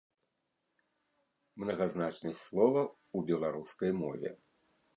Мнагазначнасць слова ў беларускай мове.